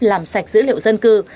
làm sạch dữ liệu dân cư